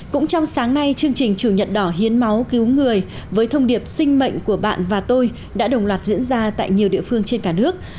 cũng trong sáng nay chương trình chủ nhật đỏ hiến máu cứu người với thông điệp sinh mệnh của bạn và tôi đã đồng loạt diễn ra tại nhiều địa phương trên cả nước